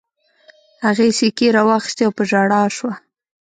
هغې سيکې را واخيستې او په ژړا شوه.